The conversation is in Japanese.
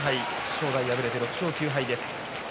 正代、敗れて６勝９敗です。